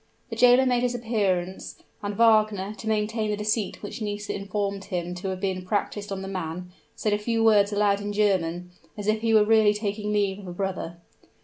The jailer made his appearance; and Wagner, to maintain the deceit which Nisida informed him to have been practiced on the man, said a few words aloud in German as if he was really taking leave of a brother.